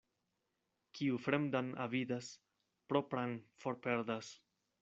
Kiu fremdan avidas, propran forperdas.